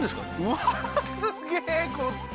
うわーすげえこっち